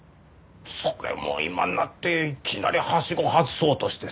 それを今になっていきなりはしご外そうとしてさ。